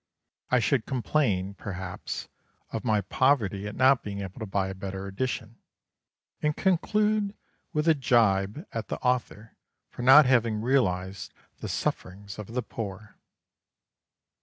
I should complain, perhaps, of my poverty at not being able to buy a better edition, and conclude with a gibe at the author for not having realized the sufferings of the poor.